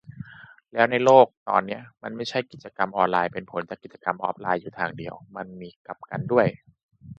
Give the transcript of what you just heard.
แล้วในโลกตอนนี้ มันไม่ใช่ กิจกรรมออนไลน์เป็นผลจากกิจกรรมออฟไลน์อยู่ทางเดียว มันมีกลับกันด้วย